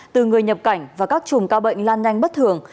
từ người nhập cảnh và các chùm ca bệnh lan nhanh bất thường